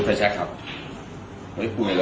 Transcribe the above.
ตอนนี้จะเปลี่ยนก็เปลี่ยนอย่างนี้หรอว้าง